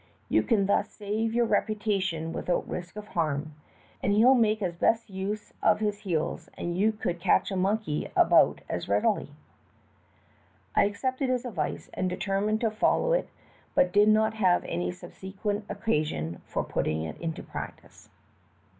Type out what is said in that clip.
You can thus save your reputation without a risk of harm, as he 'll make the best possible use of his heels and you could catch a monkey about as readily." I accepted his advice and determined to follow it, but did not have any subsequent occasion for putting it into practice.